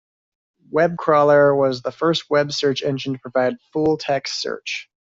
WebCrawler was the first Web search engine to provide full text search.